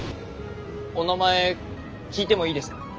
お名前聞いてもいいですか？